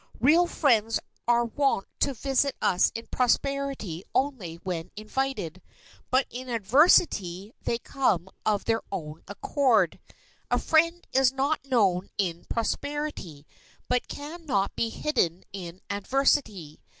Real friends are wont to visit us in prosperity only when invited, but in adversity they come of their own accord. A friend is not known in prosperity, but can not be hidden in adversity.